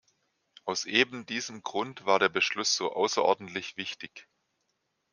Aus eben diesem Grund war der Beschluss so außerordentlich wichtig.